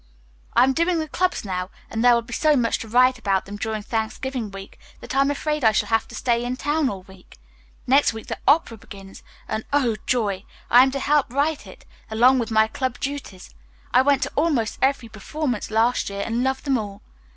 "I am doing the clubs now, and there will be so much to write about them during Thanksgiving week that I am afraid I shall have to stay in town all week. Next week the opera begins, and, oh, joy! I am to help write it along with my club duties. I went to almost every performance last year and loved them all.